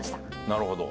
なるほど。